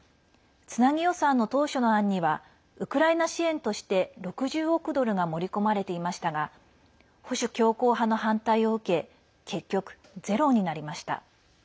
つなぎ予算の当初の案にはウクライナ支援として６０億ドルが盛り込まれていましたが保守強硬派の反対を受け結局、ゼロになりました。